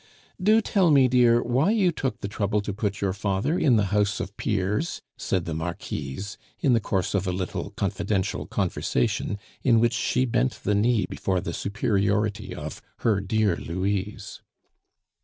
"Do tell me, dear, why you took the trouble to put your father in the House of Peers?" said the Marquise, in the course of a little confidential conversation, in which she bent the knee before the superiority of "her dear Louise."